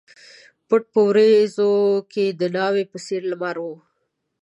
پټ په وریځو کښي د ناوي په څېر لمر و